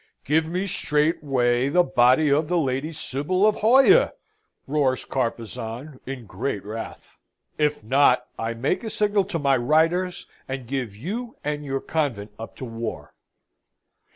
"Give me straightway the body of the Lady Sybil of Hoya!" roars Carpezan, in great wrath. "If not, I make a signal to my Reiters, and give you and your convent up to war."